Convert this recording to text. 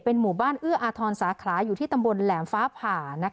เป็นหมู่บ้านอื้ออธรณ์สาขาอยู่ที่ตำบลแหลมฟ้าผ่าน